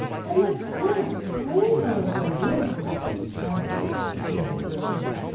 " And the girls stream out from their rooms in their pretty gowns," continued Gertrude.